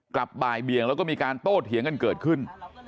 บ่ายเบียงแล้วก็มีการโต้เถียงกันเกิดขึ้น